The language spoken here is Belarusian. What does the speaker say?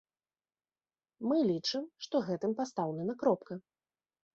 Мы лічым, што гэтым пастаўлена кропка.